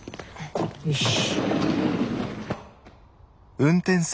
よし。